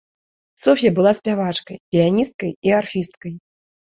Соф'я была спявачкай, піяністкай і арфісткай.